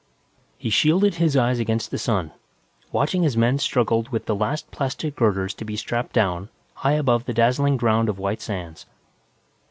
He shielded his eyes against the sun, watching as men struggled with the last plastic girders to be strapped down, high above the dazzling ground of White Sands.